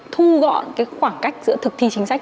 thu gọn cái khoảng cách giữa thực thi chính sách